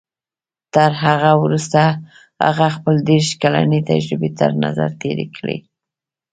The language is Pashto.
تر هغه وروسته هغه خپلې دېرش کلنې تجربې تر نظر تېرې کړې.